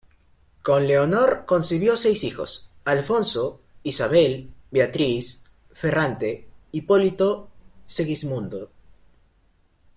Con Leonor concibió seis hijos: Alfonso, Isabel, Beatriz, Ferrante, Hipólito, Segismundo.